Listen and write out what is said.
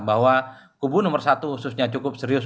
bahwa kubu nomor satu khususnya cukup serius